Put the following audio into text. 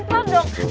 mas pelan pelan dong